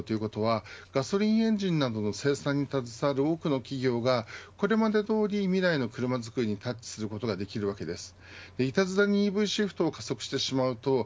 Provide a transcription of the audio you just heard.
内燃機関を使うということはガソリンエンジンなどの生産に携わる多くの企業がこれまでどおり未来の車作りにタッチすることができるわけです。